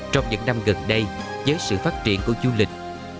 trong những năm gần đây với sự phát triển của du lịch